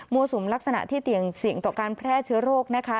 สุมลักษณะที่เสี่ยงต่อการแพร่เชื้อโรคนะคะ